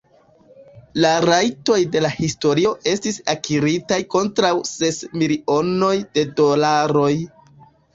La rajtoj de la historio estis akiritaj kontraŭ ses milionoj de dolaroj.